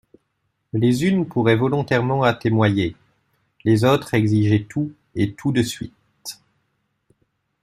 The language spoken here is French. Les unes pourraient volontairement atermoyer, les autres exiger tout et tout de suite.